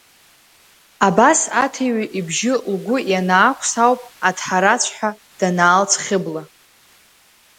Абас аҭиҩы ибжьы лгәы ианаақәс ауп аҭҳарацәҳәа данаалҵ Хьыбла.